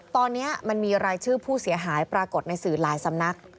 ตอนนี้มันมีรายชื่อผู้เสียหายปรากฏในสื่อหลายสำนัก